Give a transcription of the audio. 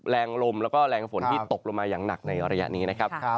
แรงลมแล้วก็แรงฝนที่ตกลงมาอย่างหนักในระยะนี้นะครับ